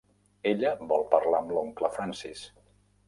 Ella vol parlar amb l'oncle Francis.